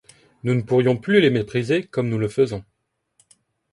Nous ne pourrions plus les mépriser comme nous le faisons.